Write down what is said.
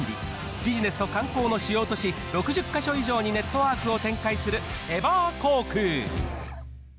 ビジネスと観光の主要都市、６０か所以上にネットワークを展開するエバー航空。